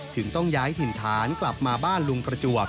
ถึงต้องย้ายถิ่นฐานกลับมาบ้านลุงประจวบ